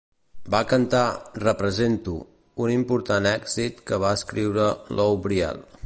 Va cantar "Represento", un important èxit que va escriure Lou Briel.